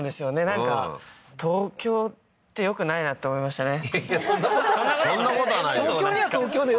なんか東京ってよくないなって思いましたね